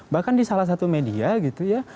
bahkan di salah satu media gitu ya